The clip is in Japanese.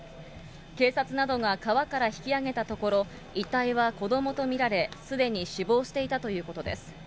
警察などが川から引き上げたところ、遺体は子どもと見られ、すでに死亡していたということです。